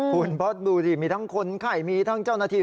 คุณเพราะดูดิมีทั้งคนไข้มีทั้งเจ้าหน้าที่